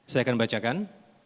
saya akan bacakan